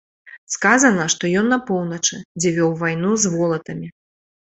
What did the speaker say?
Сказана, што ён на поўначы, дзе вёў вайну з волатамі.